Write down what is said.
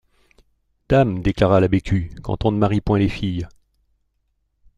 Dame! déclara la Bécu, quand on ne marie point les filles !